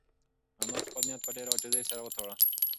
انا خپل نیت په ډېرې عاجزۍ سره وتاړه.